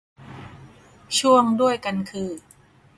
ช่วงด้วยกันคือ